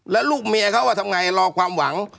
แล้วลูกเมียเขาทำไงรอความหวัง